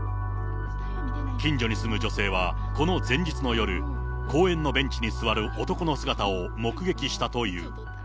近所に住む女性は、この前日の夜、公園のベンチに座る男の姿を目撃したという。